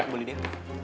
baik bu lydia